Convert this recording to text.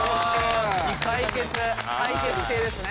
解決系ですね。